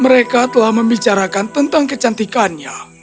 mereka telah membicarakan tentang kecantikannya